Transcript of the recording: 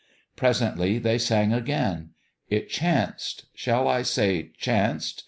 .. Presently they sang again. It chanced shall I say chanced